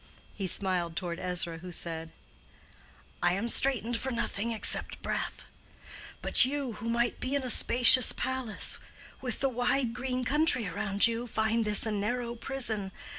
He smiled toward Ezra, who said, "I am straitened for nothing except breath. But you, who might be in a spacious palace, with the wide green country around you, find this a narrow prison.